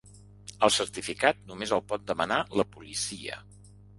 El certificat només el pot demanar la policia.